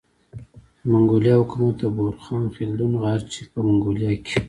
د منګولیا حکومت د بورخان خلدون غر چي په منګولیا کي